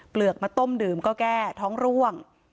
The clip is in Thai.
เปลือกมาต้มดื่มก็แก้ท้องร่วง